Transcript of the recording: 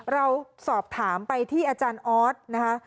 เราสอบถามไปที่อาจารย์ออสนะคะ